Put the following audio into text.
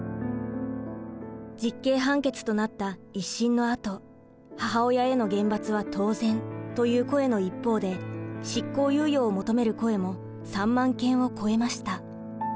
実刑判決となった一審のあと「母親への厳罰は当然」という声の一方で執行猶予を求める声も３万件を超えました。